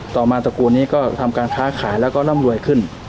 ต่อมาตระกูลนี้ก็ทำการค้าขายแล้วก็ร่ำรวยขึ้น